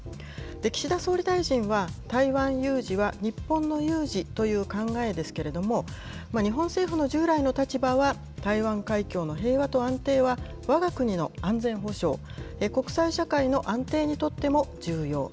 岸田総理大臣は、台湾有事は日本の有事という考えですけれども、日本政府の従来の立場は台湾海峡の平和と安定は、わが国の安全保障、国際社会の安定にとっても重要。